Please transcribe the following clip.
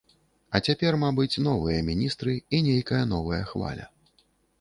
А цяпер, мабыць, новыя міністры і нейкая новая хваля.